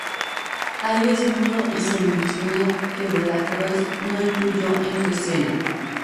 Hay desnudo y semidesnudo, que Delacroix no incluyó en su escena.